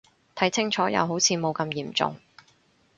睇清楚又好似冇咁嚴重